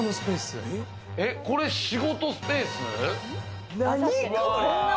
これ、仕事スペース？